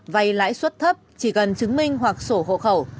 vay lãi suất thấp chỉ cần chứng minh hoặc sổ hộ khẩu